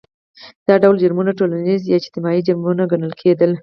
دا ټول جرمونه ټولنیز یا اجتماعي جرمونه ګڼل کېدل.